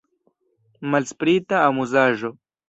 Malsprita amuzaĵo!